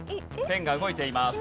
ペンが動いています。